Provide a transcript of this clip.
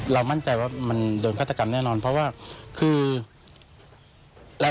มั่นใจว่ามันโดนฆาตกรรมแน่นอนเพราะว่าคือ